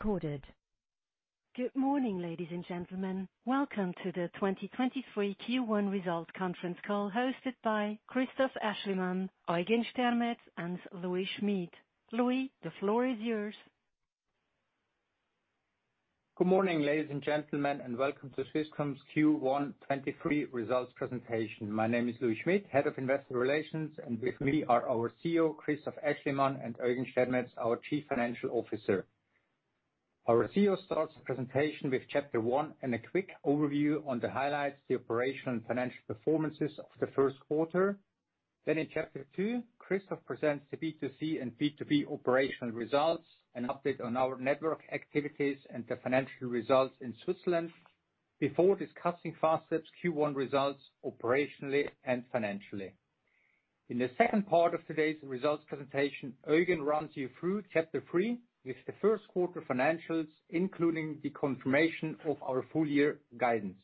Recorded. Good morning, ladies and gentlemen. Welcome to the 2023 Q1 result conference call hosted by Christoph Aeschlimann, Eugen Stermetz, and Louis Schmid. Louis, the floor is yours. Good morning, ladies and gentlemen, and welcome to Swisscom's Q1 23 results presentation. My name is Louis Schmid, Head of Investor Relations, and with me are our CEO, Christoph Aeschlimann, and Eugen Stermetz, our Chief Financial Officer. Our CEO starts the presentation with chapter one and a quick overview on the highlights, the operational and financial performances of the Q1. In chapter two, Christoph presents the B2C and B2B operational results, an update on our network activities, and the financial results in Switzerland before discussing Fastweb's Q1 results operationally and financially. In the second part of today's results presentation, Eugen runs you through chapter three with the Q1 financials, including the confirmation of our full year guidance.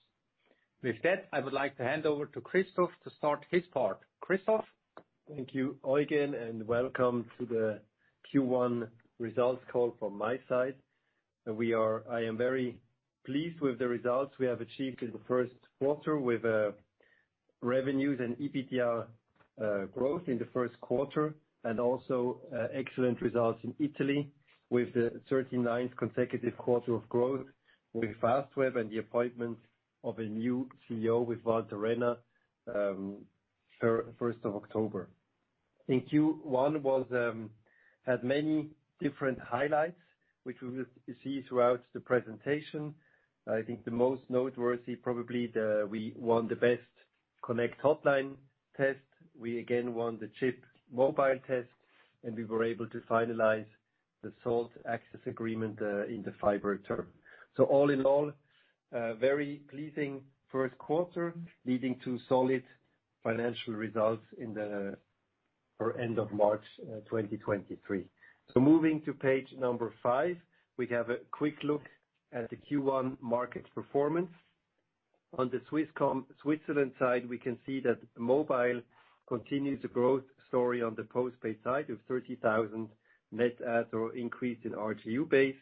I would like to hand over to Christoph to start his part. Christoph? Thank you, Eugen. Welcome to the Q1 results call from my side. I am very pleased with the results we have achieved in the Q1 with revenues and EBITDA growth in the Q1 and also excellent results in Italy with the 39th consecutive quarter of growth with Fastweb and the appointment of a new CEO with Walter Renna, 1st of October. Q1 had many different highlights which we will see throughout the presentation. I think the most noteworthy probably, we won the best connect Hotline test. We again won the CHIP mobile test. We were able to finalize the Salt access agreement in the fiber term. All in all, a very pleasing Q1 leading to solid financial results at the end of March 2023. Moving to page five, we have a quick look at the Q1 market performance. On the Swisscom Switzerland side, we can see that mobile continues the growth story on the post-paid side of 30,000 net add or increase in RGU base.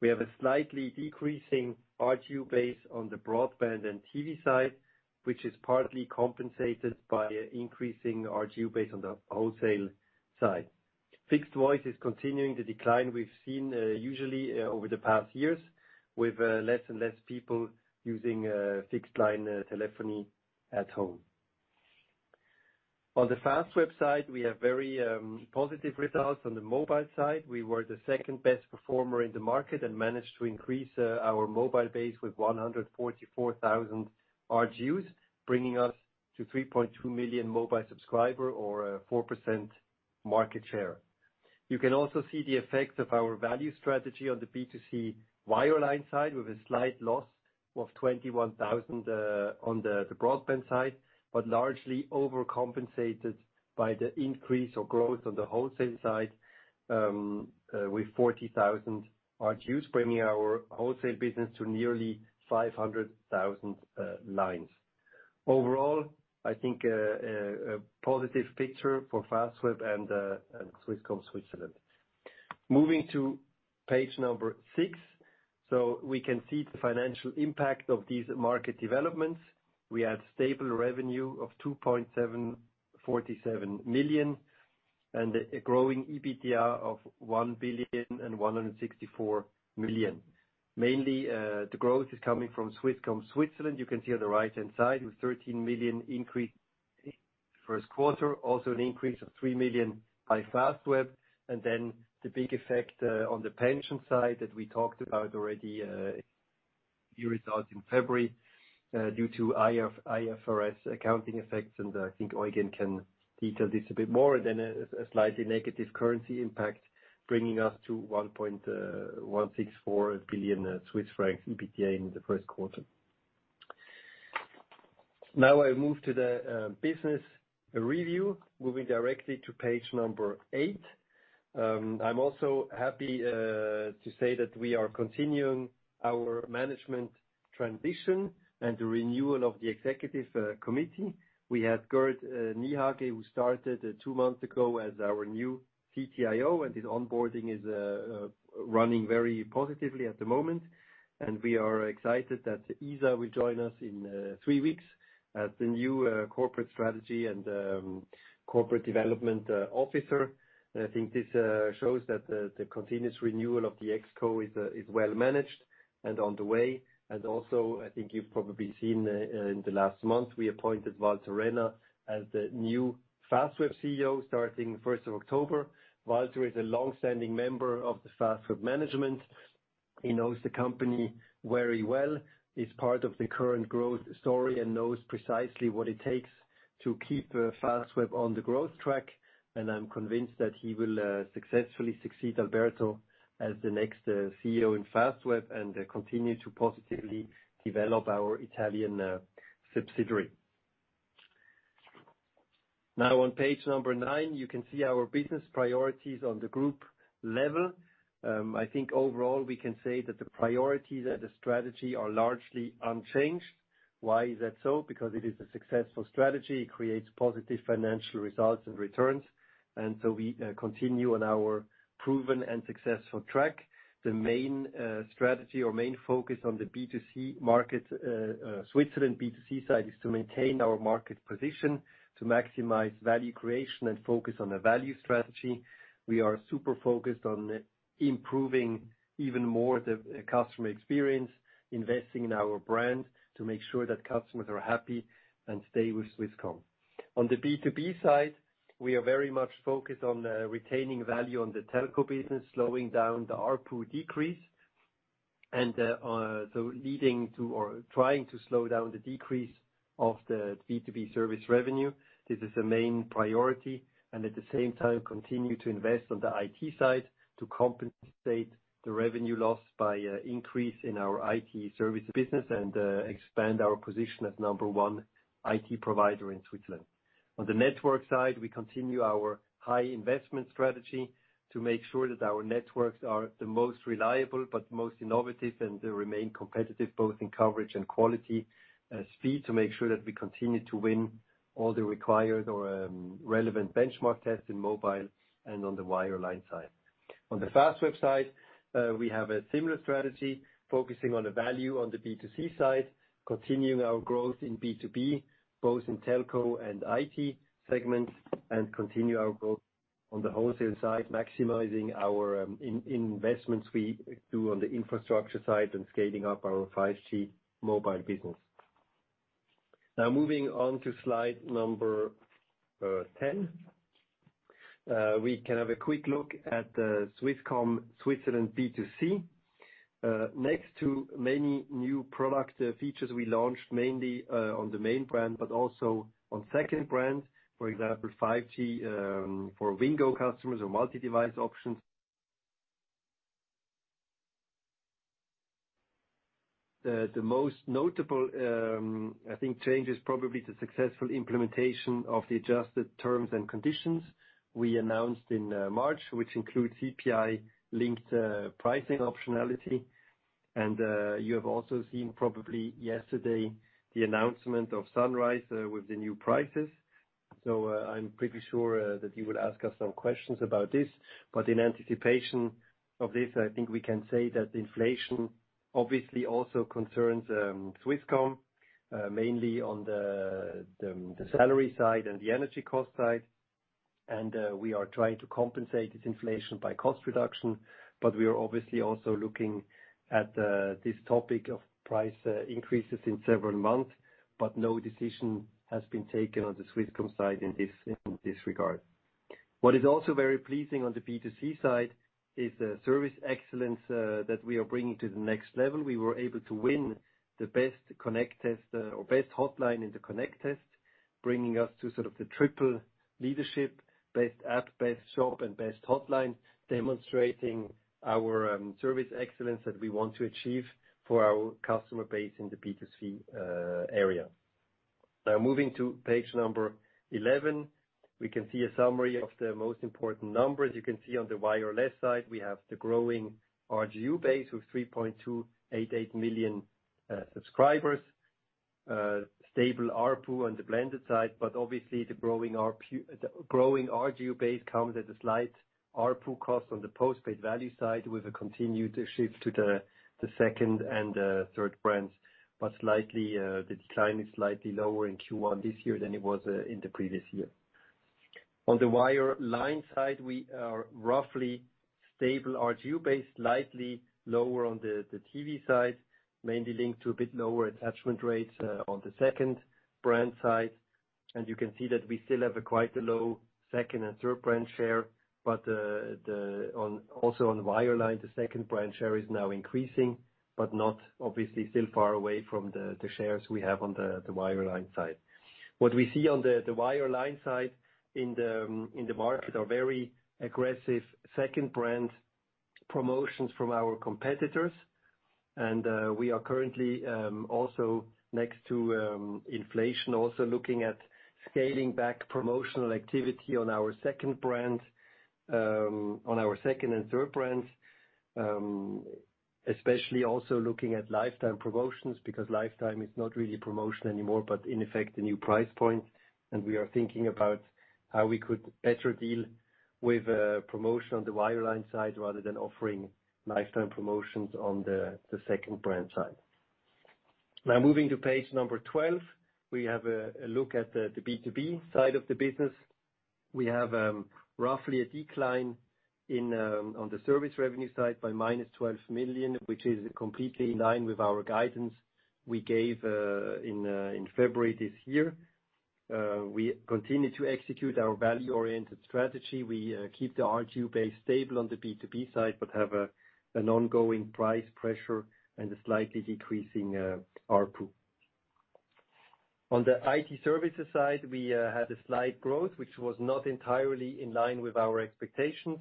We have a slightly decreasing RGU base on the broadband and TV side, which is partly compensated by increasing RGU base on the wholesale side. Fixed voice is continuing the decline we've seen, usually, over the past years with less and less people using fixed line telephony at home. On the Fastweb side, we have very positive results. On the mobile side, we were the second best performer in the market and managed to increase our mobile base with 144,000 RGUs, bringing us to 3.2 million mobile subscriber or 4% market share. You can also see the effects of our value strategy on the B2C wireline side with a slight loss of 21,000 on the broadband side, but largely overcompensated by the increase or growth on the wholesale side with 40,000 RGUs, bringing our wholesale business to nearly 500,000 lines. Overall, I think a positive picture for Fastweb and Swisscom Switzerland. Moving to page number six. We can see the financial impact of these market developments. We had stable revenue of 2,747 million and a growing EBITDA of 1,164 million. Mainly, the growth is coming from Swisscom Switzerland. You can see on the right-hand side with 13 million increase Q1, also an increase of 3 million by Fastweb. The big effect on the pension side that we talked about already, the results in February, due to IFRS accounting effects, and I think Eugen can detail this a bit more than a slightly negative currency impact, bringing us to 1.164 billion Swiss francs EBITDA in the Q1. I move to the business review, moving directly to page eight. I'm also happy to say that we are continuing our management transition and the renewal of the executive committee. We have Gerd Niehage, who started two months ago as our new CTIO, and his onboarding is running very positively at the moment. We are excited that Iza will join us in three weeks as the new Corporate Strategy and Corporate Development Officer. I think this shows that the continuous renewal of the ExCo is well managed and on the way. I think you've probably seen in the last month, we appointed Walter Renna as the new Fastweb CEO starting 1st of October. Walter is a long-standing member of the Fastweb management. He knows the company very well. He's part of the current growth story and knows precisely what it takes to keep Fastweb on the growth track. I'm convinced that he will successfully succeed Alberto as the next CEO in Fastweb and continue to positively develop our Italian subsidiary. On page number nine, you can see our business priorities on the group level. I think overall we can say that the priorities and the strategy are largely unchanged. Why is that so? Because it is a successful strategy. It creates positive financial results and returns. We continue on our proven and successful track. The main strategy or main focus on the B2C market Switzerland B2C side is to maintain our market position to maximize value creation and focus on a value strategy. We are super focused on improving even more the customer experience, investing in our brand to make sure that customers are happy and stay with Swisscom. On the B2B side, we are very much focused on retaining value on the telco business, slowing down the ARPU decrease, and so leading to or trying to slow down the decrease of the B2B service revenue. This is a main priority, and at the same time, continue to invest on the IT side to compensate the revenue loss by increase in our IT service business and expand our position as number one IT provider in Switzerland. On the network side, we continue our high investment strategy to make sure that our networks are the most reliable but the most innovative and they remain competitive both in coverage and quality, speed, to make sure that we continue to win all the required or relevant benchmark tests in mobile and on the wireline side. On the Fastweb side, we have a similar strategy focusing on the value on the B2C side, continuing our growth in B2B, both in telco and IT segments, and continue our growth on the wholesale side, maximizing our investments we do on the infrastructure side and scaling up our 5G mobile business. Now moving on to slide number 10, we can have a quick look at the Swisscom Switzerland B2C. Next to many new product features we launched mainly on the main brand but also on second brand, for example, 5G for Wingo customers or multi-device options. The most notable, I think change is probably the successful implementation of the adjusted terms and conditions we announced in March, which includes CPI-linked pricing optionality. You have also seen probably yesterday the announcement of Sunrise with the new prices. I'm pretty sure that you will ask us some questions about this. In anticipation of this, I think we can say that inflation obviously also concerns Swisscom mainly on the salary side and the energy cost side. We are trying to compensate this inflation by cost reduction. We are obviously also looking at this topic of price increases in several months, but no decision has been taken on the Swisscom side in this regard. What is also very pleasing on the B2C side is the service excellence that we are bringing to the next level. We were able to win the Best Connect test or Best Hotline in the Connect test, bringing us to sort of the triple leadership, Best App, Best Shop and Best Hotline, demonstrating our service excellence that we want to achieve for our customer base in the B2C area. Moving to page number 11, we can see a summary of the most important numbers. You can see on the Wireless side, we have the growing RGU base of 3.288 million subscribers. Stable ARPU on the blended side, obviously the growing RGU base comes at a slight ARPU cost on the postpaid value side with a continued shift to the second and third brands. Slightly, the decline is slightly lower in Q1 this year than it was in the previous year. On the wireline side, we are roughly stable RGU base, slightly lower on the TV side, mainly linked to a bit lower attachment rates on the second brand side. You can see that we still have a quite a low second and third brand share. Also on wireline, the second brand share is now increasing, but not obviously still far away from the shares we have on the wireline side. What we see on the wireline side in the market are very aggressive second brand promotions from our competitors. We are currently also next to inflation, also looking at scaling back promotional activity on our second brand, on our second and third brands. Especially also looking at lifetime promotions because lifetime is not really promotion anymore but in effect a new price point. We are thinking about how we could better deal with promotion on the wireline side rather than offering lifetime promotions on the second brand side. Moving to page number 12, we have a look at the B2B side of the business. We have roughly a decline in on the service revenue side by -12 million, which is completely in line with our guidance we gave in February this year. We continue to execute our value-oriented strategy. We keep the RGU base stable on the B2B side, but have an ongoing price pressure and a slightly decreasing ARPU. On the IT services side, we had a slight growth which was not entirely in line with our expectations,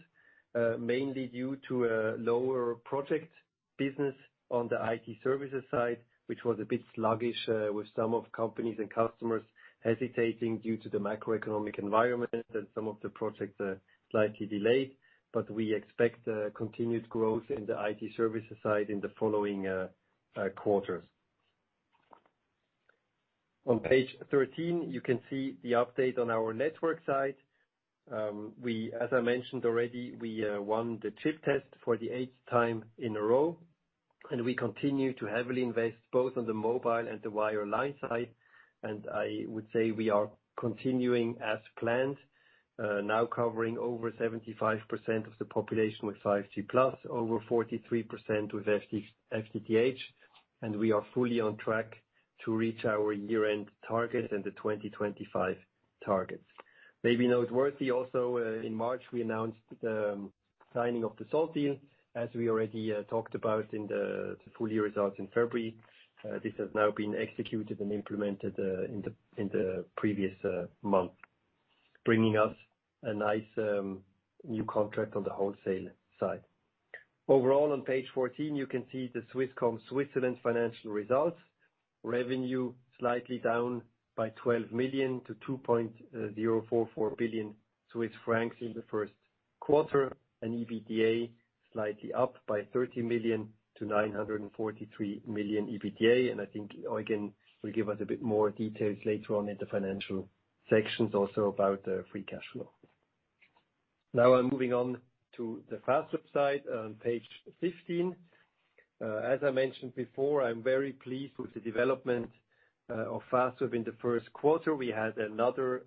mainly due to a lower project business on the IT services side, which was a bit sluggish, with some of companies and customers hesitating due to the macroeconomic environment and some of the projects are slightly delayed. We expect continued growth in the IT services side in the following quarters. On page 13, you can see the update on our network side. As I mentioned already, we won the CHIP test for the eighth time in a row, and we continue to heavily invest both on the mobile and the wireline side. I would say we are continuing as planned, now covering over 75% of the population with 5G+, over 43% with FTTH, and we are fully on track to reach our year-end target and the 2025 targets. Maybe noteworthy also, in March, we announced the signing of the Salt deal, as we already talked about in the full-year results in February. This has now been executed and implemented in the previous month, bringing us a nice new contract on the wholesale side. Overall, on page 14, you can see the Swisscom Switzerland financial results. Revenue slightly down by 12 million to 2.044 billion Swiss francs in the Q1, and EBITDA slightly up by 30 million to 943 million EBITDA. I think Eugen will give us a bit more details later on in the financial sections also about free cash flow. I'm moving on to the Fastweb side on page 15. As I mentioned before, I'm very pleased with the development of Fastweb in the Q1. We had another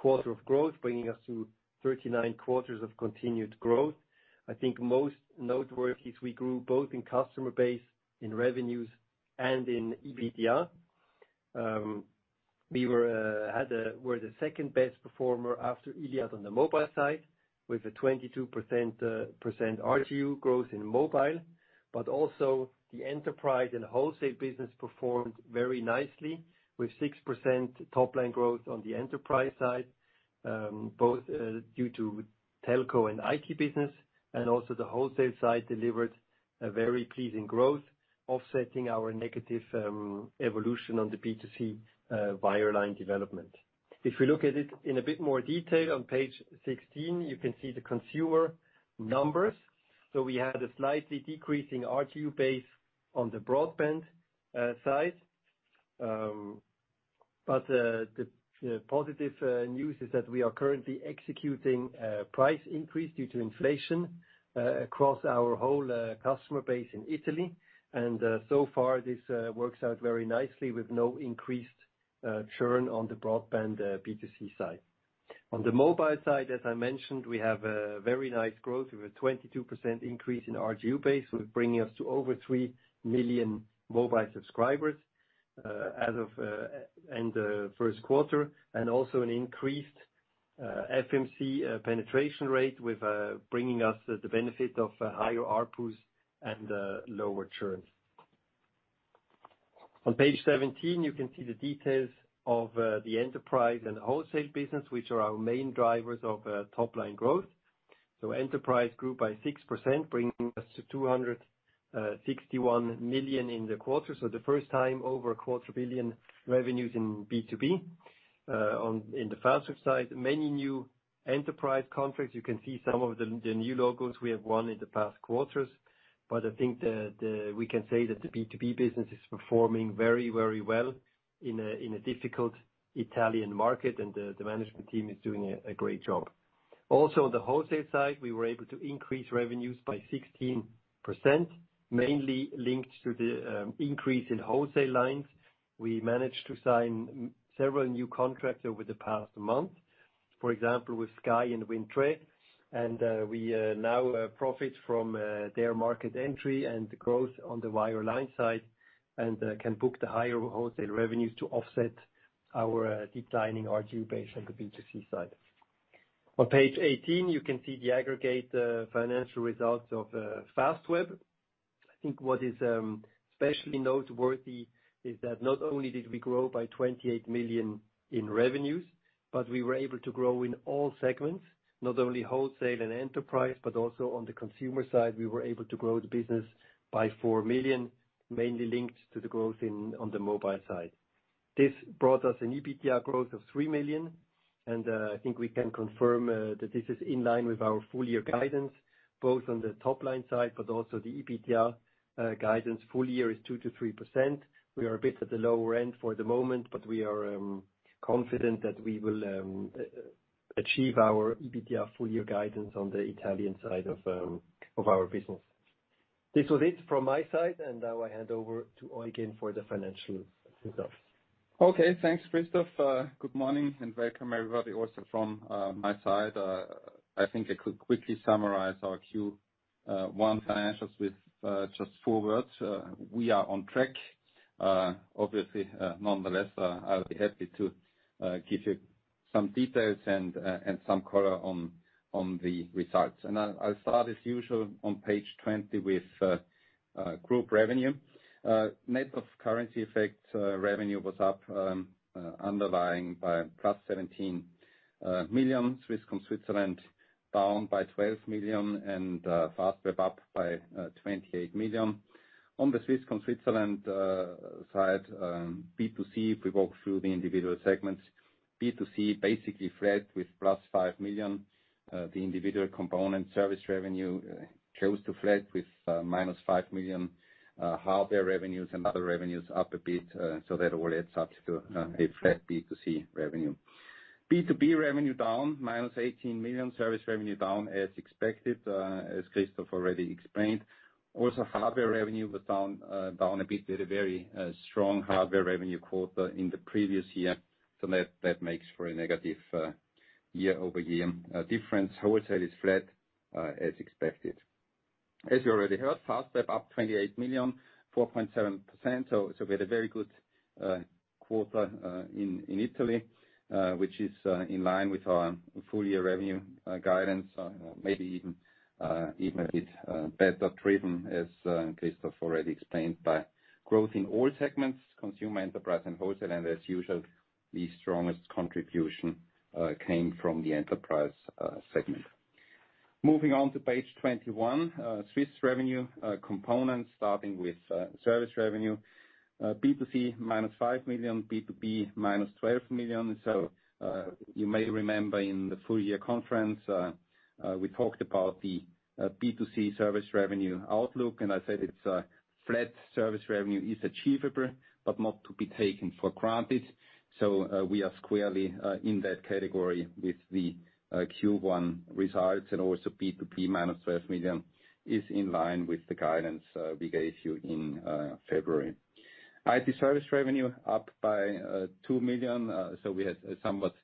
quarter of growth, bringing us to 39 quarters of continued growth. I think most noteworthy is we grew both in customer base, in revenues, and in EBITDA. We were the second best performer after Iliad on the mobile side with a 22% percent RGU growth in mobile. Also the enterprise and wholesale business performed very nicely with 6% top-line growth on the enterprise side, both due to telco and IT business. Also the wholesale side delivered a very pleasing growth, offsetting our negative evolution on the B2C wireline development. If we look at it in a bit more detail on page 16, you can see the consumer numbers. We had a slightly decreasing RGU base on the broadband side. The positive news is that we are currently executing a price increase due to inflation across our whole customer base in Italy. So far, this works out very nicely with no increased churn on the broadband B2C side. On the mobile side, as I mentioned, we have a very nice growth. We have a 22% increase in RGU base, it's bringing us to over three million mobile subscribers as of end of Q1, and also an increased FMC penetration rate with bringing us the benefit of higher ARPU and lower churn. On page 17, you can see the details of the enterprise and wholesale business, which are our main drivers of top-line growth. Enterprise grew by 6%, bringing us to 261 million in the quarter. The first time over a quarter billion revenues in B2B. In the Fastweb side, many new enterprise contracts. You can see some of the new logos we have won in the past quarters. I think the B2B business is performing very, very well in a difficult Italian market, and the management team is doing a great job. Also, on the wholesale side, we were able to increase revenues by 16%, mainly linked to the increase in wholesale lines. We managed to sign several new contracts over the past month, for example, with Sky and WINDTRE. We now profit from their market entry and growth on the wireline side and can book the higher wholesale revenues to offset our declining RGU base on the B2C side. On page 18, you can see the aggregate financial results of Fastweb. I think what is especially noteworthy is that not only did we grow by 28 million in revenues, we were able to grow in all segments, not only wholesale and enterprise, also on the consumer side, we were able to grow the business by 4 million, mainly linked to the growth on the mobile side. This brought us an EBITDA growth of 3 million. I think we can confirm that this is in line with our full-year guidance, both on the top-line side, also the EBITDA guidance. Full year is 2%-3%. We are a bit at the lower end for the moment, we are confident that we will achieve our EBITDA full-year guidance on the Italian side of our business. This was it from my side. Now I hand over to Eugen for the financial results. Okay. Thanks, Christoph. Good morning and welcome, everybody, also from my side. I think I could quickly summarize our Q1 financials with just four words. We are on track. Obviously, nonetheless, I'll be happy to give you some details and some color on the results. I'll start as usual on page 20 with group revenue. Net of currency effects, revenue was up underlying by +17 million. Swisscom Switzerland down by 12 million and Fastweb up by 28 million. On the Swisscom Switzerland side, B2C, if we walk through the individual segments. B2C basically flat with +5 million. The individual component service revenue close to flat with -5 million. Hardware revenues and other revenues up a bit, so that all adds up to a flat B2C revenue. B2B revenue down -18 million. Service revenue down as expected, as Christoph already explained. Also, hardware revenue was down a bit. We had a very strong hardware revenue quarter in the previous year, so that makes for a negative year-over-year difference. Wholesale is flat, as expected. As you already heard, Fastweb up 28 million, 4.7%. We had a very good quarter in Italy, which is in line with our full-year revenue guidance. Maybe even a bit better driven as Christoph already explained by growth in all segments, consumer, enterprise and wholesale. As usual, the strongest contribution came from the enterprise segment. Moving on to page 21. Swiss revenue components starting with service revenue. B2C minus 5 million, B2B minus 12 million. You may remember in the full-year conference, we talked about the B2C service revenue outlook, and I said it's flat service revenue is achievable, but not to be taken for granted. We are squarely in that category with the Q1 results, and also B2B minus 12 million is in line with the guidance we gave you in February. IT service revenue up by 2 million, so we had a somewhat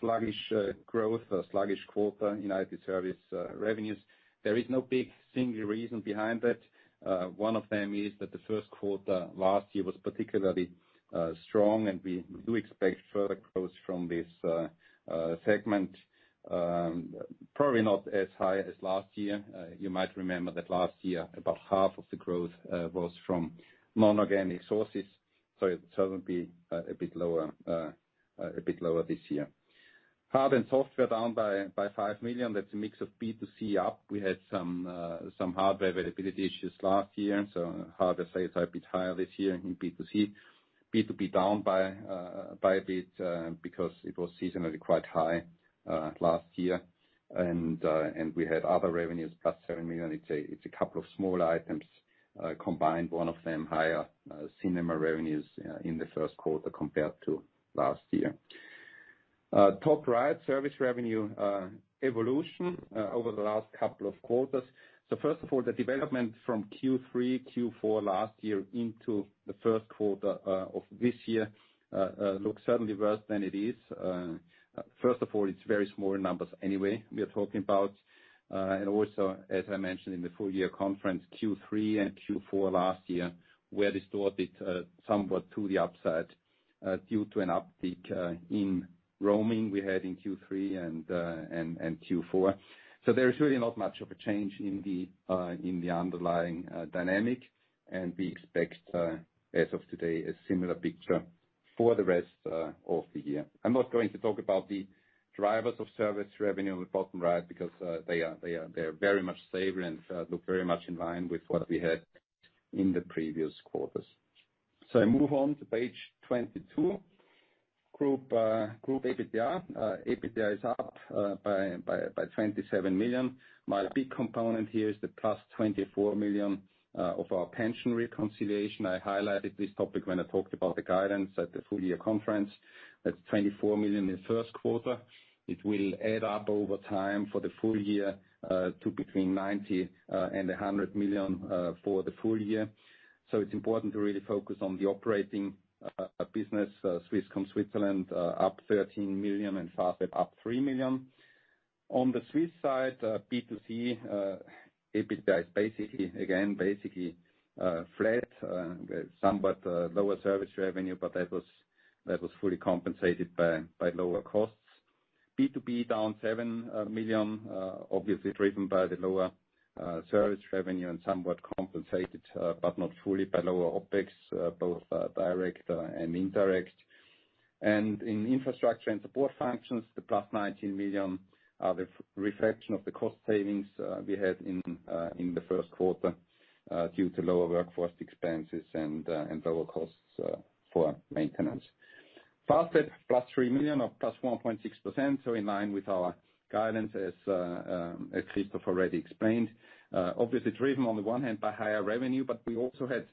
sluggish growth, a sluggish quarter in IT service revenues. There is no big single reason behind that. One of them is that the Q1 last year was particularly strong, and we do expect further growth from this segment. Probably not as high as last year. You might remember that last year, about half of the growth was from non-organic sources, so it will be a bit lower this year. Hard and software down by 5 million. That's a mix of B2C up. We had some hardware availability issues last year, and so hardware sales are a bit higher this year in B2C. B2B down by a bit because it was seasonally quite high last year. We had other revenues plus 7 million. It's a couple of smaller items combined, one of them higher cinema revenues in the Q1 compared to last year. Top right, service revenue evolution over the last couple of quarters. First of all, the development from Q3, Q4 last year into the Q1 of this year looks certainly worse than it is. First of all, it's very small numbers anyway we are talking about. And also, as I mentioned in the full-year conference, Q3 and Q4 last year were distorted somewhat to the upside due to an uptick in roaming we had in Q3 and Q4. There is really not much of a change in the underlying dynamic. We expect, as of today, a similar picture for the rest of the year. I'm not going to talk about the drivers of service revenue at the bottom right, because they are very much stable and look very much in line with what we had in the previous quarters. I move on to page 22. Group EBITDA. EBITDA is up by 27 million. My big component here is the +24 million of our pension reconciliation. I highlighted this topic when I talked about the guidance at the full-year conference. That's 24 million in the Q1. It will add up over time for the full year, to between 90 million and 100 million for the full year. It's important to really focus on the operating business. Swisscom Switzerland, up 13 million and Fastweb up 3 million. On the Swiss side, B2C EBITDA is basically flat, somewhat lower service revenue, but that was fully compensated by lower costs. B2B down 7 million, obviously driven by the lower service revenue and somewhat compensated, but not fully by lower OpEx, both direct and indirect. In infrastructure and support functions, the plus 19 million are the reflection of the cost savings we had in the Q1, due to lower workforce expenses and lower costs for maintenance. Fastweb, plus 3 million or plus 1.6%, so in line with our guidance as Christoph already explained. Obviously driven on the one hand by higher revenue, but we also had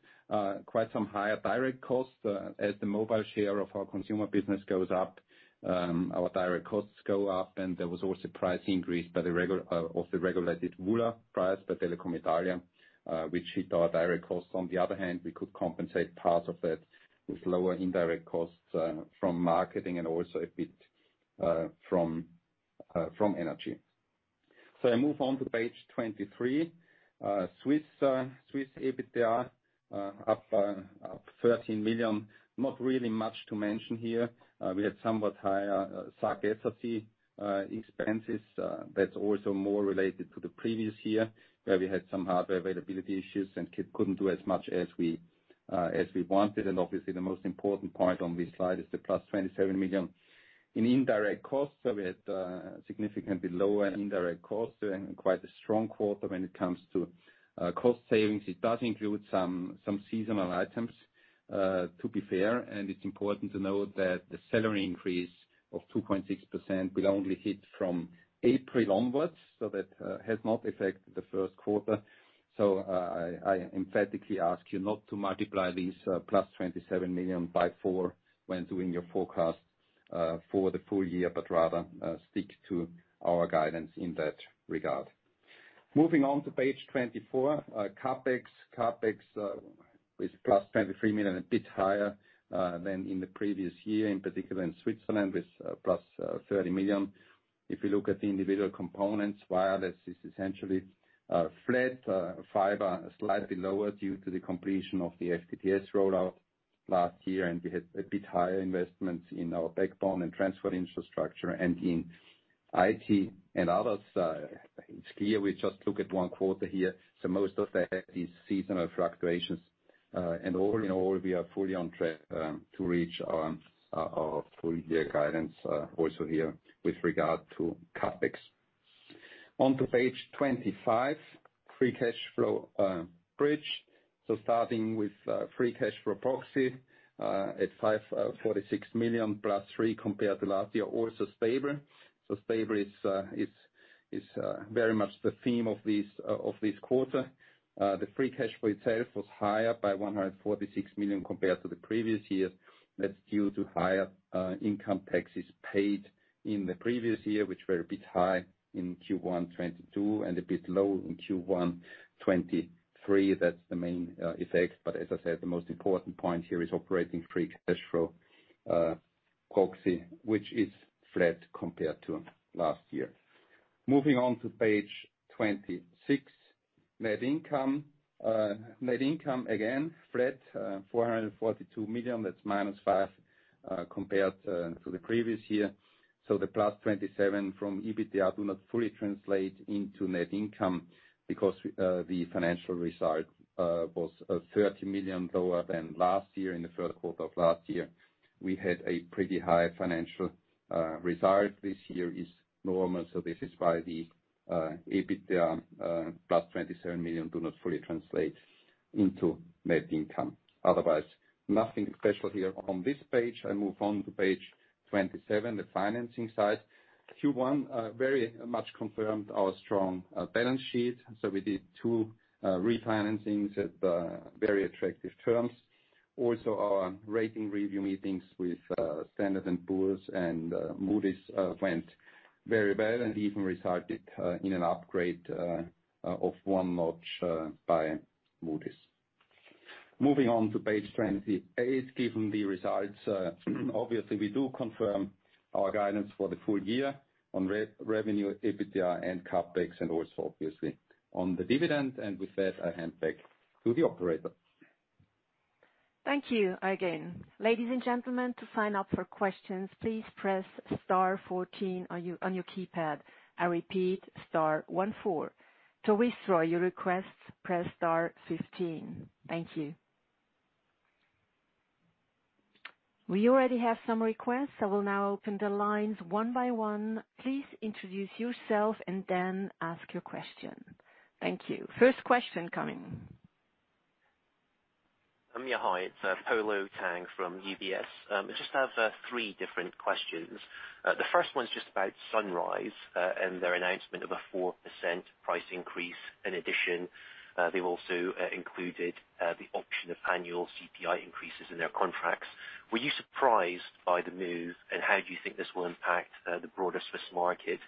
quite some higher direct costs. As the mobile share of our consumer business goes up, our direct costs go up. There was also price increase by the regular of the regulated WULA price by Telecom Italia, which hit our direct costs. On the other hand, we could compensate part of that with lower indirect costs from marketing and also a bit from energy. I move on to page 23. Swiss EBITDA up 13 million. Not really much to mention here. We had somewhat higher SAC/SRC expenses. That's also more related to the previous year, where we had some hardware availability issues and couldn't do as much as we wanted. Obviously, the most important part on this slide is the +27 million in indirect costs. We had significantly lower indirect costs and quite a strong quarter when it comes to cost savings. It does include some seasonal items to be fair, and it's important to note that the salary increase of 2.6% will only hit from April onwards, so that has not affected the Q1. I emphatically ask you not to multiply these +27 million by four when doing your forecast for the full year, but rather stick to our guidance in that regard. Moving on to page 24, CapEx. CapEx with +23 million, a bit higher than in the previous year, in particular in Switzerland, with +30 million. If you look at the individual components, wireless is essentially flat, fiber slightly lower due to the completion of the FTTS rollout last year, we had a bit higher investments in our backbone and transfer infrastructure and in IT and others. It's clear we just look at one quarter here, most of that is seasonal fluctuations. All in all, we are fully on track to reach our full year guidance also here with regard to CapEx. On to page 25, free cash flow bridge. Starting with free cash flow proxy at 546 million, +3 compared to last year, also stable. Stable is very much the theme of this quarter. The free cash flow itself was higher by 146 million compared to the previous year. That's due to higher income taxes paid in the previous year, which were a bit high in Q1 2022, and a bit low in Q1 2023. That's the main effect. As I said, the most important point here is Operating free cash flow proxy, which is flat compared to last year. Moving on to page 26, net income. Net income, again, flat, 442 million, that's -5 compared to the previous year. The +27 from EBITDA do not fully translate into net income because the financial result was 30 million lower than last year in the Q3 of last year. We had a pretty high financial result. This year is normal, this is why the EBITDA plus 27 million do not fully translate into net income. Otherwise, nothing special here on this page. I move on to page 27, the financing side. Q1 very much confirmed our strong balance sheet, so we did two refinancings at very attractive terms. Our rating review meetings with Standard & Poor's and Moody's went very well, and even resulted in an upgrade of one notch by Moody's. Moving on to page 28, given the results, obviously we do confirm our guidance for the full year on re-revenue, EBITDA and CapEx and also obviously on the dividend. With that, I hand back to the operator. Thank you again. Ladies and gentlemen, to sign up for questions, please press star 14 on your keypad. I repeat, star 14. To withdraw your request, press star 15. Thank you. We already have some requests. I will now open the lines one by one. Please introduce yourself and then ask your question. Thank you. First question coming. Yeah, hi, it's Polo Tang from UBS. I just have three different questions. The first one's just about Sunrise and their announcement of a 4% price increase. In addition, they've also included the option of annual CPI increases in their contracts. Were you surprised by the move, how do you think this will impact the broader Swiss market?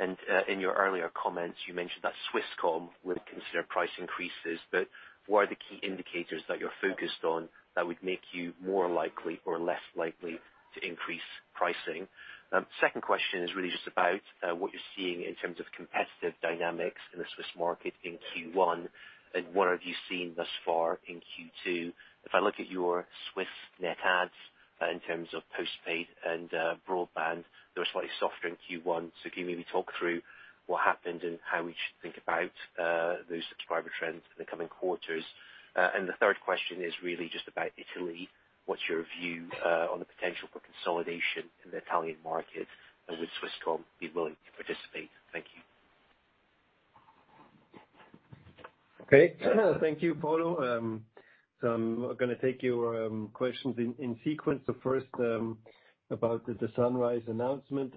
In your earlier comments, you mentioned that Swisscom would consider price increases. What are the key indicators that you're focused on that would make you more likely or less likely to increase pricing? Second question is really just about what you're seeing in terms of competitive dynamics in the Swiss market in Q1, and what have you seen thus far in Q2? If I look at your Swiss net adds, in terms of postpaid and broadband, they were slightly softer in Q1. Can you maybe talk through what happened and how we should think about those subscriber trends in the coming quarters? The third question is really just about Italy. What's your view on the potential for consolidation in the Italian market, and would Swisscom be willing to participate? Thank you. Okay. Thank you, Polo. I'm gonna take your questions in sequence. First, about the Sunrise announcement.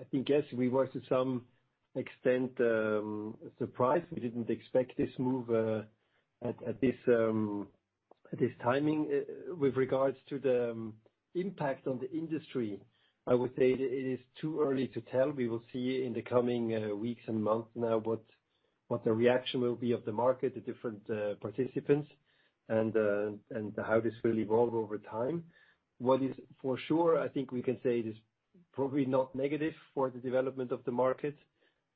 I think, yes, we were to some extent, surprised. We didn't expect this move at this timing. With regards to the impact on the industry, I would say it is too early to tell. We will see in the coming weeks and months now what the reaction will be of the market, the different participants and how this will evolve over time. What is for sure, I think we can say it is probably not negative for the development of the market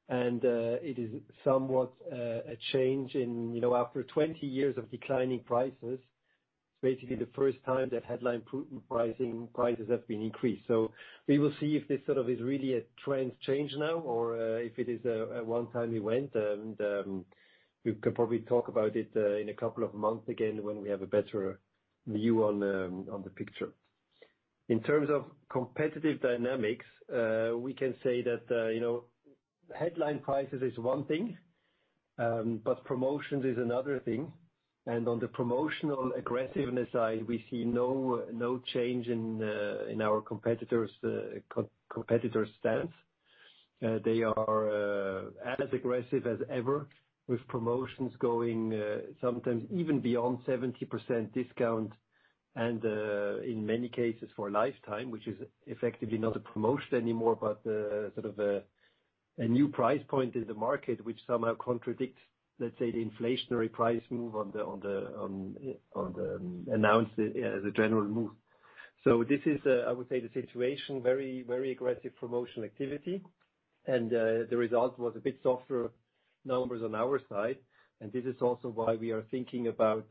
and it is somewhat a change in, you know, after 20 years of declining prices, it's basically the first time that headline pricing, prices have been increased. We will see if this sort of is really a trends change now or, if it is a one-time event. We could probably talk about it in a couple of months again when we have a better view on the picture. In terms of competitive dynamics, we can say that, you know, headline prices is one thing, but promotions is another thing. On the promotional aggressiveness side, we see no change in our competitors' stance. They are as aggressive as ever with promotions going sometimes even beyond 70% discount and in many cases for lifetime, which is effectively not a promotion anymore, but sort of a new price point in the market which somehow contradicts, let's say, the inflationary price move on the announced as a general move. This is, I would say, the situation, very, very aggressive promotional activity. The result was a bit softer numbers on our side. This is also why we are thinking about,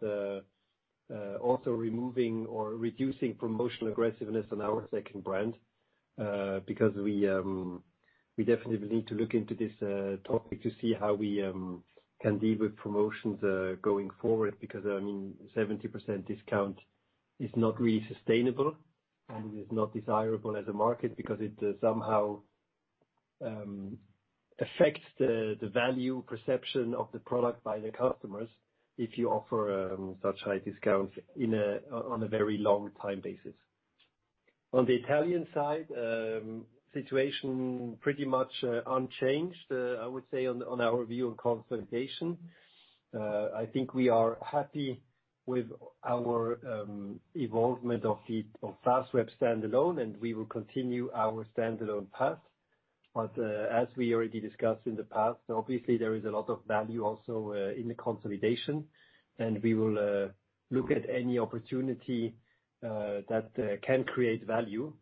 also removing or reducing promotional aggressiveness on our second brand. We definitely need to look into this topic to see how we can deal with promotions going forward. I mean, 70% discount is not really sustainable, and it is not desirable as a market because it somehow affects the value perception of the product by the customers if you offer such high discounts in a, on a very long time basis. On the Italian side, situation pretty much unchanged, I would say on our view on consolidation. I think we are happy with our involvement of the Fastweb standalone, and we will continue our standalone path. As we already discussed in the past, obviously there is a lot of value also, in the consolidation, and we will, look at any opportunity, that, can create value.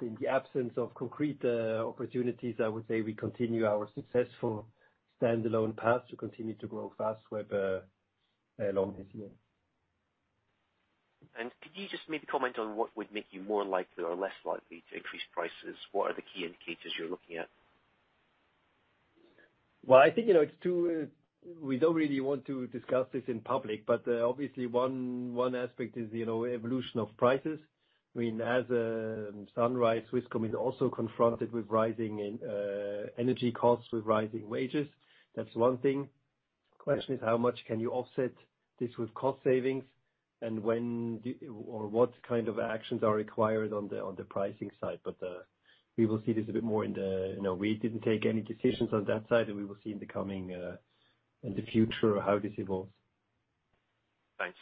In the absence of concrete, opportunities, I would say we continue our successful standalone path to continue to grow Fastweb, along this year. Could you just maybe comment on what would make you more likely or less likely to increase prices? What are the key indicators you're looking at? Well, I think, you know, it's too... We don't really want to discuss this in public, obviously one aspect is, you know, evolution of prices. I mean, as Sunrise, Swisscom is also confronted with rising energy costs, with rising wages. That's one thing. Question is, how much can you offset this with cost savings and when do, or what kind of actions are required on the, on the pricing side? We will see this a bit more in the... You know, we didn't take any decisions on that side. We will see in the coming, in the future how this evolves. Thanks.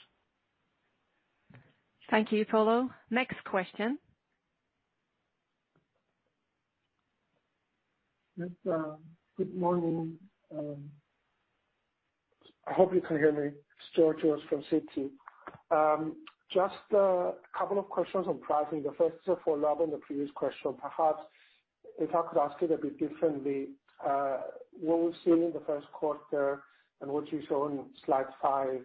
Thank you, Paulo. Next question. Yes, good morning. I hope you can hear me. It's Georgios from Citi. Just a couple of questions on pricing. The first is a follow-up on the previous question. Perhaps if I could ask it a bit differently. What we've seen in the Q1 and what you show on slide five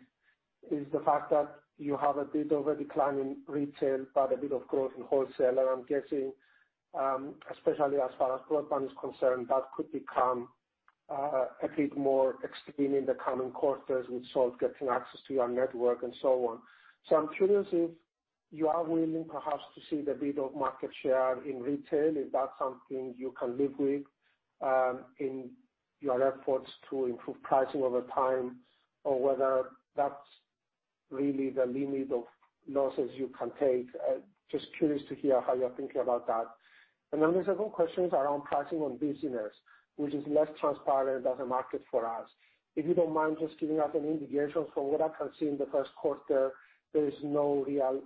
is the fact that you have a bit of a decline in retail but a bit of growth in wholesale. I'm guessing, especially as far as broadband is concerned, that could become a bit more extreme in the coming quarters with Salt getting access to your network and so on. I'm curious if you are willing perhaps to cede a bit of market share in retail, if that's something you can live with in your efforts to improve pricing over time, or whether that's really the limit of losses you can take. Just curious to hear how you're thinking about that. The second question is around pricing on business, which is less transparent as a market for us. If you don't mind just giving us an indication from what I can see in the Q1, there is no real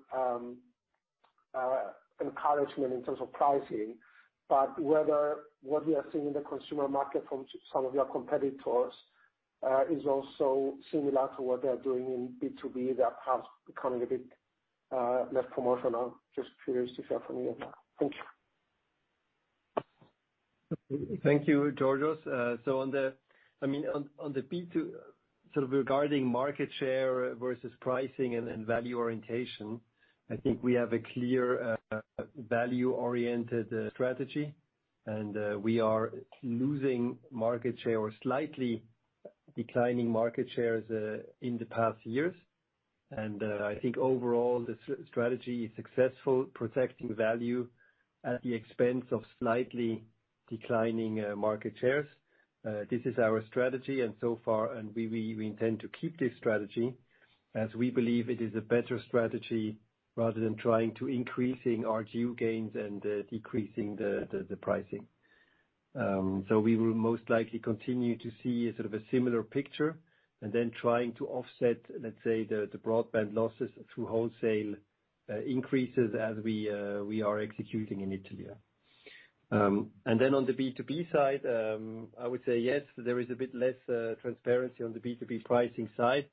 encouragement in terms of pricing. Whether what we are seeing in the consumer market from some of your competitors is also similar to what they're doing in B2B. They're perhaps becoming a bit less promotional. Just curious if you have for me on that. Thank you. Thank you, Georgios. On the, I mean, on the B2, sort of regarding market share versus pricing and value orientation, I think we have a clear, value-oriented strategy. We are losing market share or slightly declining market shares in the past years. I think overall the strategy is successful, protecting value at the expense of slightly declining market shares. This is our strategy and so far, and we intend to keep this strategy as we believe it is a better strategy rather than trying to increasing RGU gains and decreasing the pricing. We will most likely continue to see a sort of a similar picture and then trying to offset, let's say, the broadband losses through wholesale increases as we are executing in Italia. On the B2B side, I would say, yes, there is a bit less transparency on the B2B pricing side.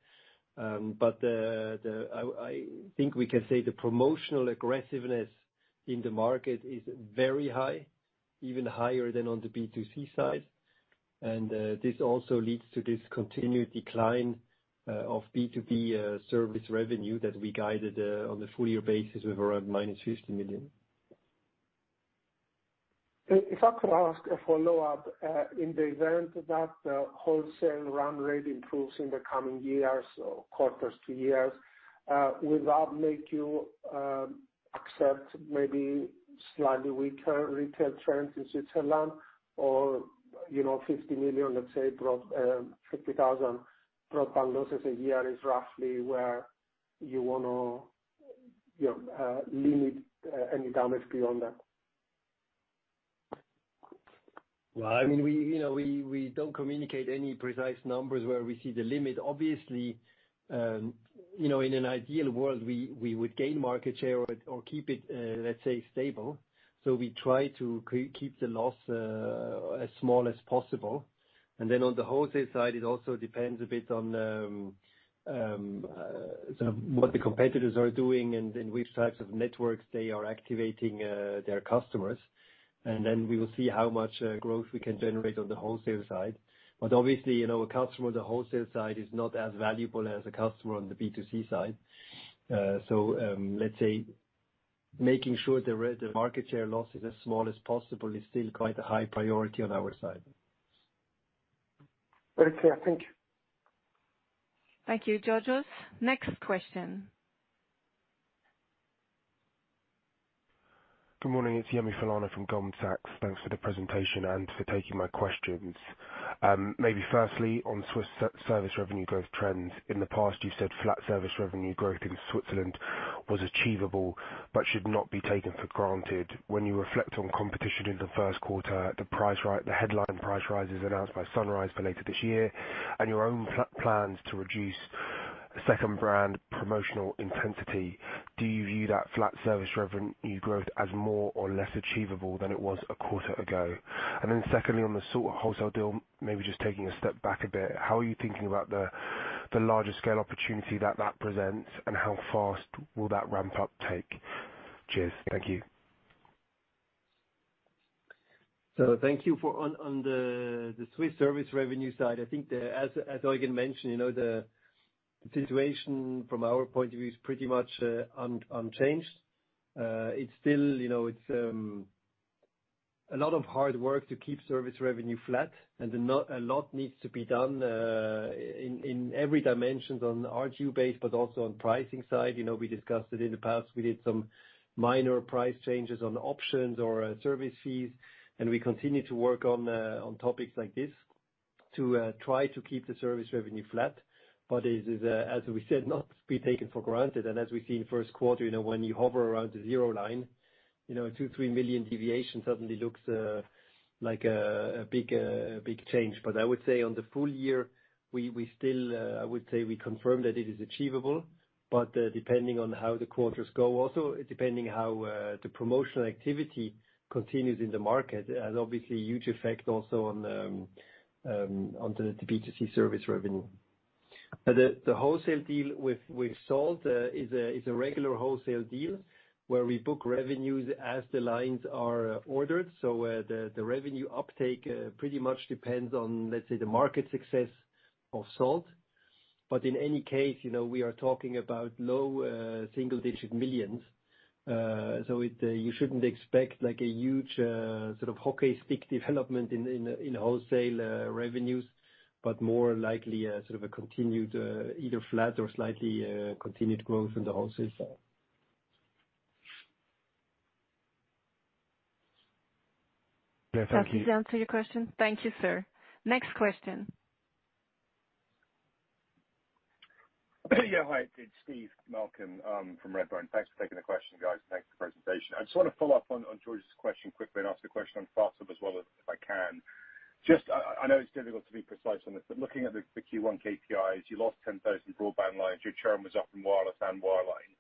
The, I think we can say the promotional aggressiveness in the market is very high, even higher than on the B2C side. This also leads to this continued decline of B2B service revenue that we guided on the full year basis with around minus 50 million. If I could ask a follow-up, in the event that the wholesale run rate improves in the coming years or quarters to years, will that make you accept maybe slightly weaker retail trends in Switzerland or, you know, 50 million, let's say, broad, 50,000 broadband losses a year is roughly where you wanna, you know, limit any damage beyond that? I mean, we, you know, we don't communicate any precise numbers where we see the limit. Obviously, you know, in an ideal world, we would gain market share or keep it, let's say, stable. We try to keep the loss as small as possible. On the wholesale side, it also depends a bit on what the competitors are doing and which types of networks they are activating their customers. We will see how much growth we can generate on the wholesale side. Obviously, you know, a customer on the wholesale side is not as valuable as a customer on the B2C side. Let's say making sure the market share loss is as small as possible is still quite a high priority on our side. Very clear. Thank you. Thank you, Georgios. Next question. Good morning. It's Yemi Falana from Goldman Sachs. Thanks for the presentation and for taking my questions. Maybe firstly, on Swiss service revenue growth trends. In the past, you said flat service revenue growth in Switzerland was achievable but should not be taken for granted. When you reflect on competition in the Q1, the headline price rises announced by Sunrise for later this year and your own plans to reduce second brand promotional intensity, do you view that flat service revenue growth as more or less achievable than it was a quarter ago? Secondly, on the Salt wholesale deal, maybe just taking a step back a bit, how are you thinking about the larger scale opportunity that presents, and how fast will that ramp-up take? Cheers. Thank you. On the Swiss service revenue side, I think the, as Eugen mentioned, you know, the situation from our point of view is pretty much unchanged. It's still, you know, it's a lot of hard work to keep service revenue flat, and a lot needs to be done in every dimensions on the ARPU base, but also on pricing side. You know, we discussed it in the past. We did some minor price changes on options or service fees, and we continue to work on topics like this to try to keep the service revenue flat. It is as we said, not to be taken for granted. As we see in Q1, you know, when you hover around the zero line, you know, 2 million, 3 million deviation suddenly looks like a big change. I would say on the full year, we still, I would say we confirm that it is achievable. Depending on how the quarters go, also depending how the promotional activity continues in the market has obviously a huge effect also on the B2C service revenue. The wholesale deal with Salt is a regular wholesale deal where we book revenues as the lines are ordered. The revenue uptake pretty much depends on, let's say, the market success of Salt. In any case, you know, we are talking about low single digit millions. It, you shouldn't expect like a huge, sort of hockey stick development in wholesale revenues, but more likely a sort of a continued, either flat or slightly, continued growth in the wholesale. Yeah, thank you. Does that answer your question? Thank you, sir. Next question. Yeah, hi. It's Steve Malcolm from Redburn. Thanks for taking the question, guys. Thanks for the presentation. I just wanna follow up on Georgios' question quickly and ask a question on Fastweb as well as if I can. Just, I know it's difficult to be precise on this, but looking at the Q1 KPIs, you lost 10,000 broadband lines. Your churn was up in wireless and wireline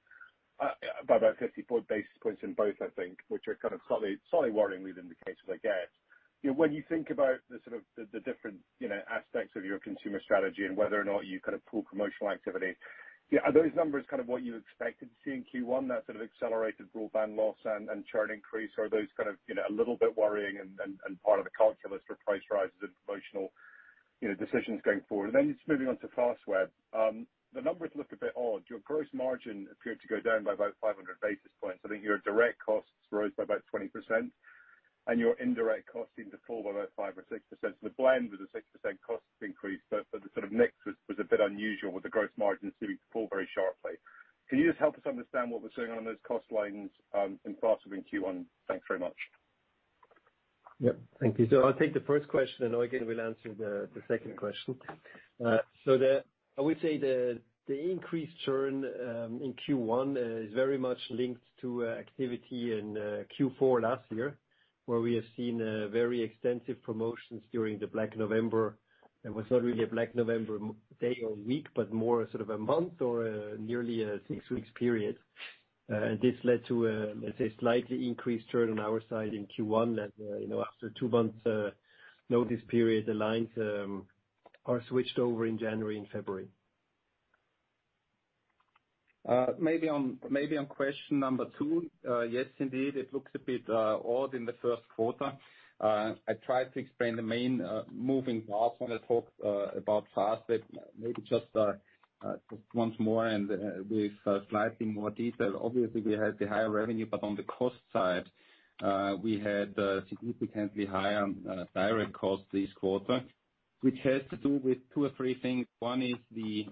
by about 50 basis points in both, I think, which are kind of slightly worrying read indications, I guess. You know, when you think about the sort of the different, you know, aspects of your consumer strategy and whether or not you kind of pull promotional activity, yeah, are those numbers kind of what you expected to see in Q1, that sort of accelerated broadband loss and churn increase? Are those kind of, you know, a little bit worrying and part of the calculus for price rises and promotional, you know, decisions going forward? Just moving on to Fastweb. The numbers look a bit odd. Your gross margin appeared to go down by about 500 basis points. I think your direct costs rose by about 20%, and your indirect costs seemed to fall by about 5% or 6%. The blend was a 6% cost increase, but the sort of mix was a bit unusual with the gross margin seeming to fall very sharply. Can you just help us understand what was going on in those cost lines in Fastweb in Q1? Thanks very much. Yep. Thank you. I'll take the first question, and Eugen will answer the second question. I would say the increased churn in Q1 is very much linked to activity in Q4 last year, where we have seen very extensive promotions during the Black November. It was not really a Black November day or week, but more sort of a month or nearly a six weeks period. This led to a, let's say, slightly increased churn on our side in Q1 that, you know, after two months notice period, the lines are switched over in January and February. Maybe on question number two, yes, indeed, it looks a bit, odd in the Q1. I tried to explain the main moving parts when I talked about Fastweb. Maybe just once more and with slightly more detail. Obviously, we had the higher revenue, but on the cost side, we had significantly higher direct costs this quarter, which has to do with two or three things. One is the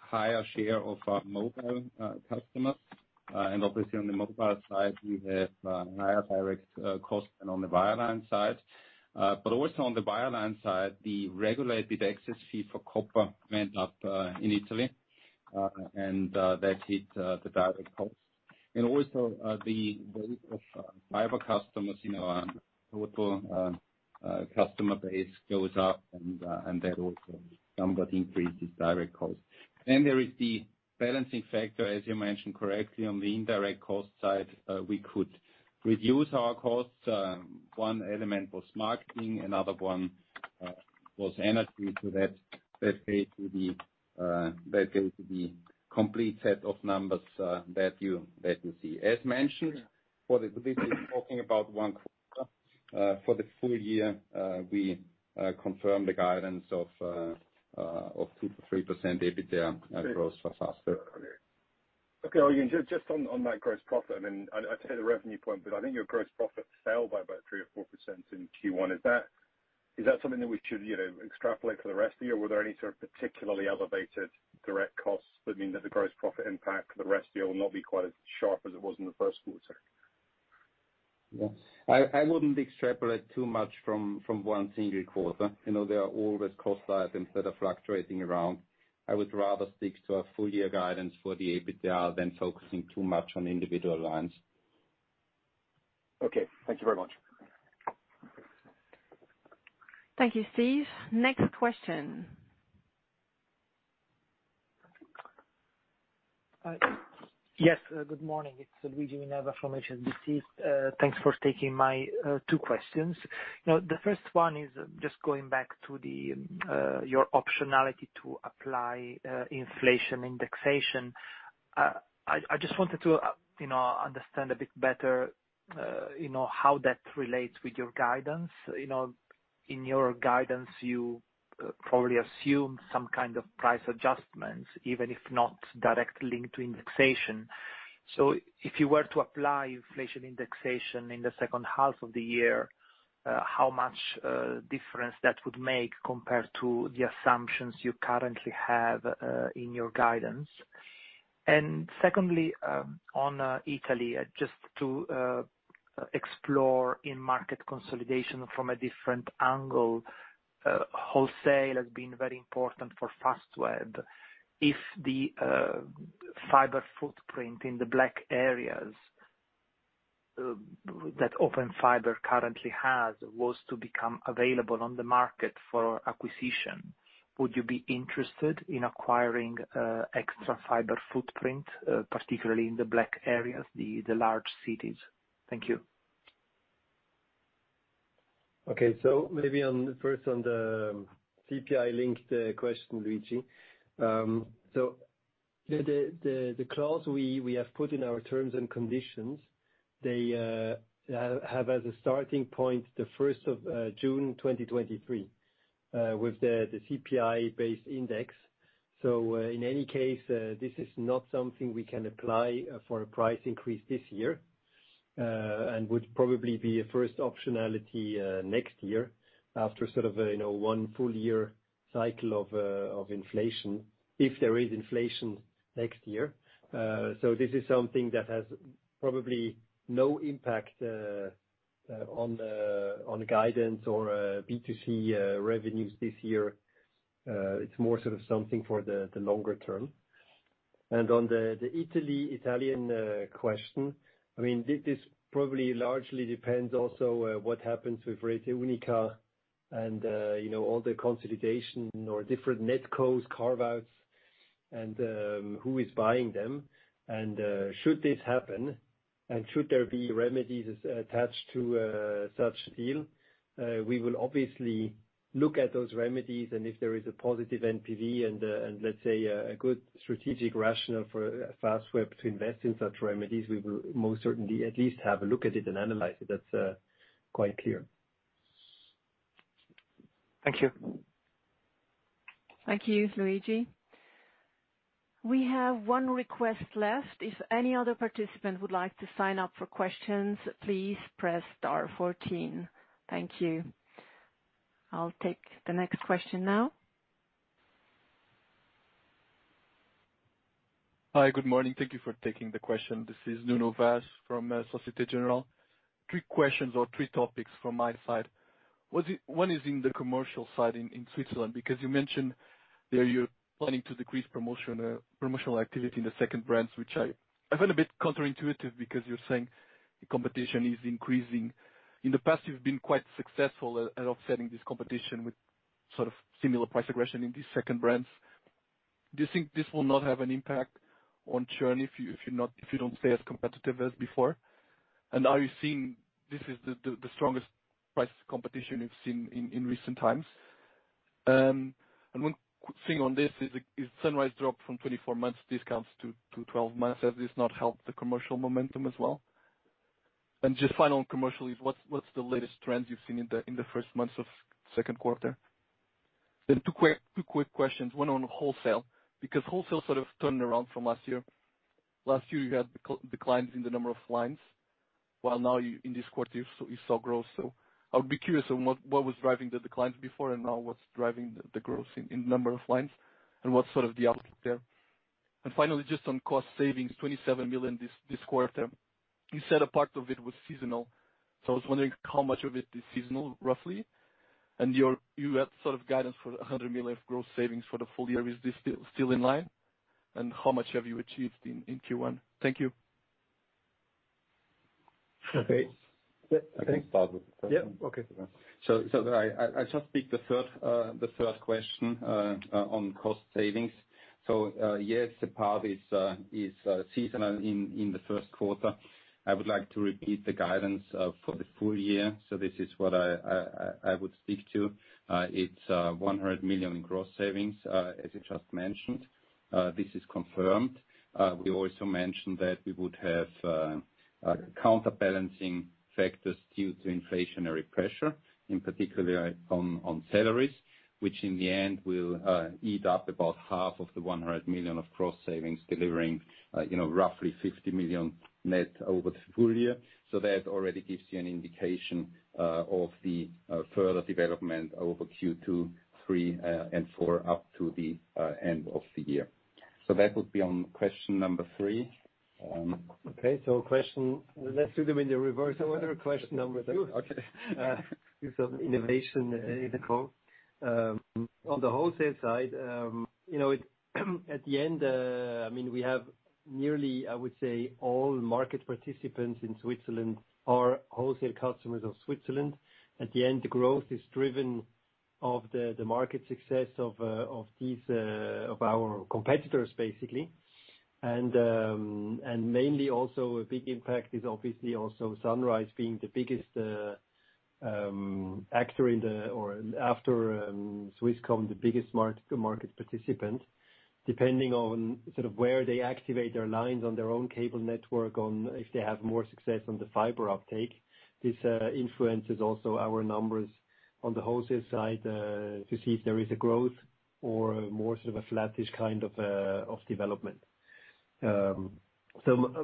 higher share of our mobile customers. Obviously on the mobile side we have higher direct costs than on the wireline side. Also on the wireline side, the regulated access fee for copper went up in Italy, and that hit the direct costs. Also, the weight of fiber customers in our total customer base goes up and that also somewhat increases direct costs. There is the balancing factor, as you mentioned correctly, on the indirect cost side. We could reduce our costs. One element was marketing, another one was energy. That led to the complete set of numbers that you see. As mentioned, this is talking about one quarter. For the full year, we confirm the guidance of 2%-3% EBITDA growth for Fastweb. Okay. Eugen, just on that gross profit, I mean, I take the revenue point, but I think your gross profit fell by about 3% or 4% in Q1. Is that something that we should, you know, extrapolate for the rest of the year? Were there any sort of particularly elevated direct costs that mean that the gross profit impact for the rest of the year will not be quite as sharp as it was in the Q1? Yeah. I wouldn't extrapolate too much from one single quarter. You know, there are always cost items that are fluctuating around. I would rather stick to our full year guidance for the EBITDA than focusing too much on individual lines. Okay. Thank you very much. Thank you, Steve. Next question. Hi. Yes, good morning. It's Luigi Minerva from HSBC. Thanks for taking my two questions. The first one is just going back to the your optionality to apply inflation indexation. I just wanted to, you know, understand a bit better, you know, how that relates with your guidance. You know, in your guidance, you probably assume some kind of price adjustments, even if not directly linked to indexation. If you were to apply inflation indexation in the second half of the year, how much difference that would make compared to the assumptions you currently have in your guidance? Secondly, on Italy, just to explore in market consolidation from a different angle, wholesale has been very important for Fastweb. If the fiber footprint in the Black Areas that Open Fiber currently has was to become available on the market for acquisition, would you be interested in acquiring extra fiber footprint, particularly in the Black Areas, the large cities? Thank you. Okay. Maybe on, first on the CPI-linked question, Luigi. The clause we have put in our terms and conditions, they have as a starting point the first of June 2023, with the CPI-based index. In any case, this is not something we can apply for a price increase this year. Would probably be a first optionality next year after sort of a, you know, one full year cycle of inflation, if there is inflation next year. This is something that has probably no impact on the guidance or B2C revenues this year. It's more sort of something for the longer term. On the Italy, Italian question. I mean, this probably largely depends also on what happens with Rete Unica and, you know, all the consolidation or different NetCos carve-outs and who is buying them. Should this happen, and should there be remedies attached to such a deal, we will obviously look at those remedies. If there is a positive NPV and a good strategic rationale for Fastweb to invest in such remedies, we will most certainly at least have a look at it and analyze it. That's quite clear. Thank you. Thank you, Luigi. We have one request left. If any other participant would like to sign up for questions, please press star 14. Thank you. I'll take the next question now. Hi, good morning. Thank Thank you for taking the question. This is Nuno Vaz from Societe Generale. Three questions or three topics from my side. One is in the commercial side in Switzerland, because you mentioned there you're planning to decrease promotional activity in the second brands, which I find a bit counterintuitive because you're saying competition is increasing. In the past you've been quite successful at offsetting this competition with sort of similar price aggression in these second brands. Do you think this will not have an impact on churn if you're not, if you don't stay as competitive as before? Are you seeing this is the strongest price competition you've seen in recent times? One thing on this is Sunrise dropped from 24 months discounts to 12 months. Has this not helped the commercial momentum as well? Just final on commercial is what's the latest trends you've seen in the first months of Q2? Two quick questions, one on wholesale, because wholesale sort of turned around from last year. Last year you had declines in the number of lines, while now in this quarter you saw growth. I would be curious on what was driving the declines before and now what's driving the growth in number of lines and what's sort of the outlook there. Finally, just on cost savings, 27 million this quarter. You said a part of it was seasonal, so I was wondering how much of it is seasonal, roughly. You had sort of guidance for 100 million of growth savings for the full year. Is this still in line? How much have you achieved in Q1? Thank you. Okay. I can start with that one. Yeah. Okay. I just speak the third question on cost savings. Yes, the part is seasonal in the Q1. I would like to repeat the guidance for the full year. This is what I would speak to. It's 100 million in gross savings, as you just mentioned. This is confirmed. We also mentioned that we would have a counterbalancing factors due to inflationary pressure, in particular on salaries, which in the end will eat up about half of the 100 million of gross savings delivering, you know, roughly 50 million net over the full year. That already gives you an indication of the further development over Q2, three, and four up to the end of the year. That would be on question number three. Okay. Let's do them in the reverse order of question number three. Okay. Use some innovation in the call. On the wholesale side, you know, it, at the end, I mean, we have nearly, I would say all market participants in Switzerland are wholesale customers of Swisscom. At the end, the growth is driven of the market success of these of our competitors, basically. Mainly also a big impact is obviously also Sunrise being the biggest actor or after Swisscom, the biggest market participant, depending on sort of where they activate their lines on their own cable network, on if they have more success on the fiber uptake. This influences also our numbers on the wholesale side to see if there is a growth or more sort of a flattish kind of development.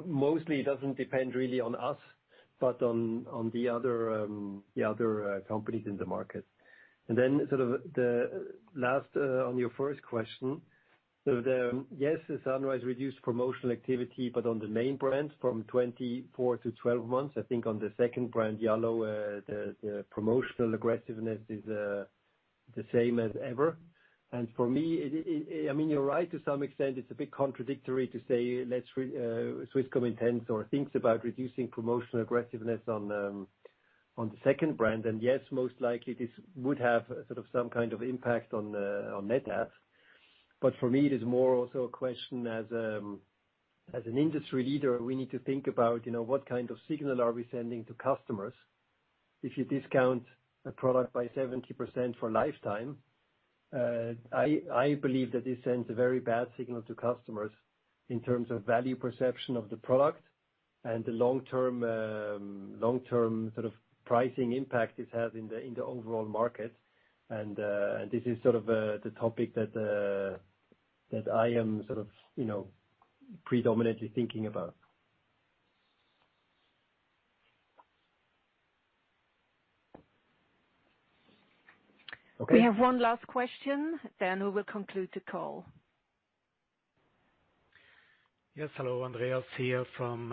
Mostly it doesn't depend really on us, but on the other, the other, companies in the market. The last on your first question. Yes, Sunrise reduced promotional activity, but on the main brands from 24 to 12 months. I think on the second brand, Yallo, the promotional aggressiveness is the same as ever. I mean, you're right to some extent, it's a bit contradictory to say Swisscom intends or thinks about reducing promotional aggressiveness on the second brand. Most likely this would have some kind of impact on net adds. For me, it is more also a question as an industry leader, we need to think about, you know, what kind of signal are we sending to customers. If you discount a product by 70% for lifetime, I believe that this sends a very bad signal to customers in terms of value perception of the product and the long-term sort of pricing impact this has in the overall market. This is sort of the topic that I am sort of, you know, predominantly thinking about. Okay. We have one last question, then we will conclude the call. Yes, hello, Andreas here from.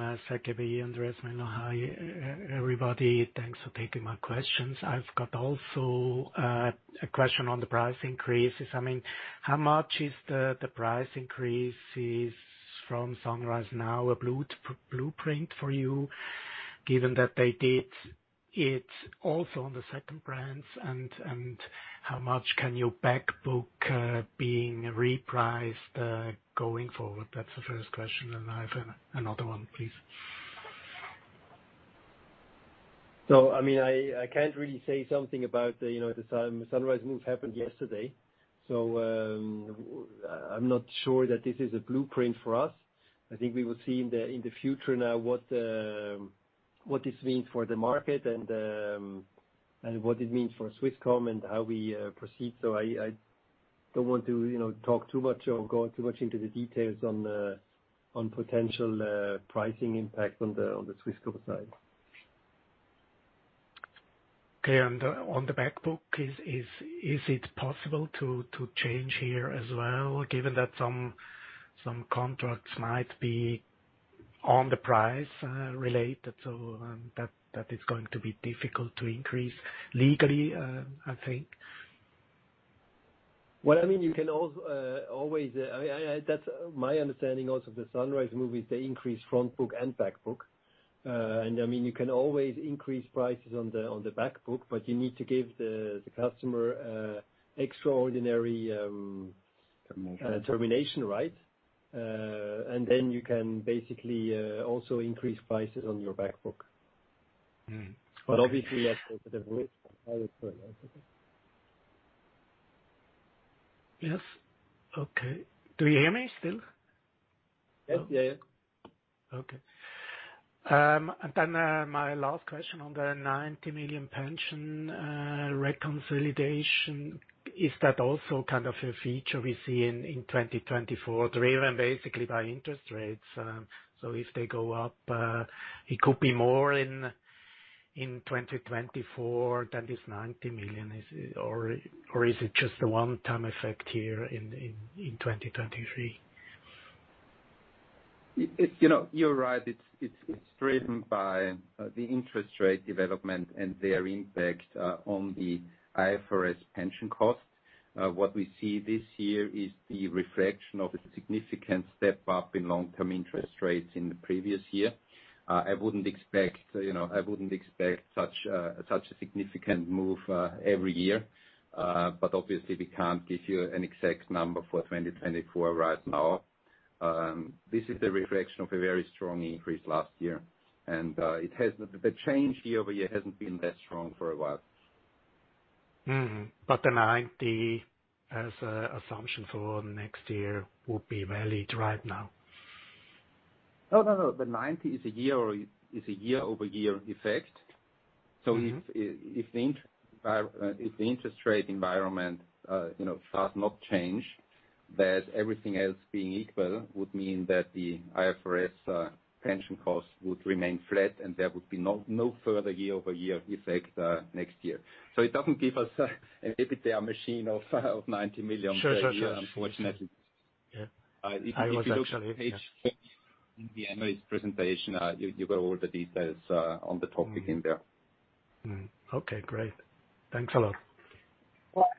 I mean, I can't really say something about the, you know, the Sunrise move happened yesterday. I'm not sure that this is a blueprint for us. I think we will see in the, in the future now what this means for the market and, what it means for Swisscom and how we, proceed. I don't want to, you know, talk too much or go too much into the details on potential, pricing impact on the, on the Swisscom side. Okay. On the back book, is it possible to change here as well, given that some contracts might be on the price related, so, that is going to be difficult to increase legally, I think? Well, I mean, you can always, I, that's my understanding also of the Sunrise move is they increased front book and back book. I mean, you can always increase prices on the back book, but you need to give the customer extraordinary Termination... termination rights. Then you can basically, also increase prices on your back book. Mm-hmm. obviously that's sort of a list. Yes. Okay. Do you hear me still? Yes. Yeah, yeah. Okay. Then, my last question on the 90 million pension reconciliation. Is that also kind of a feature we see in 2024 driven basically by interest rates? If they go up, it could be more in 2024 than this 90 million, is it? Or is it just a one-time effect here in 2023? It's, you know, you're right. It's driven by the interest rate development and their impact on the IFRS pension costs. What we see this year is the reflection of a significant step up in long-term interest rates in the previous year. I wouldn't expect, you know, I wouldn't expect such a significant move every year. Obviously we can't give you an exact number for 2024 right now. This is the reflection of a very strong increase last year, and it has the change year-over-year hasn't been that strong for a while. The 90 as a assumption for next year would be valid right now? No, no. The 90 is a year, or is a year-over-year effect. Mm-hmm. If the interest rate environment, you know, does not change, that everything else being equal would mean that the IFRS pension costs would remain flat and there would be no further year over year effect next year. It doesn't give us an EBITDA of 90 million per year. Sure, sure. -unfortunately. Yeah. I was actually, yeah. If you look at page ten in the analyst presentation, you got all the details on the topic in there. Okay, great. Thanks a lot. Well,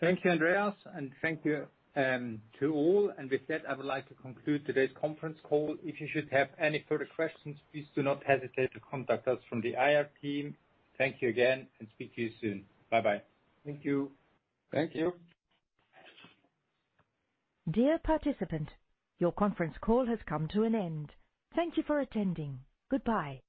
thank you, Andreas, and thank you, to all. With that, I would like to conclude today's conference call. If you should have any further questions, please do not hesitate to contact us from the IR team. Thank you again and speak to you soon. Bye-bye. Thank you. Thank you. Dear participant, your conference call has come to an end. Thank you for attending. Goodbye.